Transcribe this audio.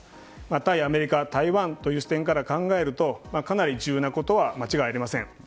対アメリカ、台湾という視点から考えるとかなり重要なことは間違いありません。